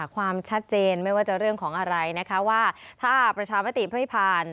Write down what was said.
ความชัดเจนไม่ว่าจะเรื่องของอะไรนะคะว่าถ้าประชามติไม่ผ่าน